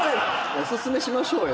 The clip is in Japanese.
お薦めしましょうよ。